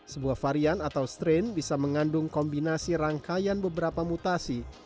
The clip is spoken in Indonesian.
sebuah varian atau strain bisa mengandung kombinasi rangkaian beberapa mutasi